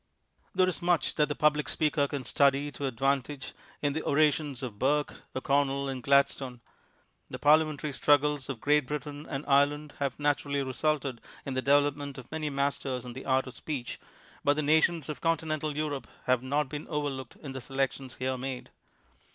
There is much that the public speaker can study to advantage in the orations of Burke, O'Conneli and Gladstone. The parliamentary struggles of Great Britain and Ireland have naturally resulted in the development of many masters in the art of speech, but the nations of Continental Europe have not been overlooked in the selections here made.